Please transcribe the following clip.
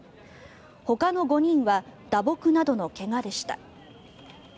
ほかの５人は打撲などの怪我でした。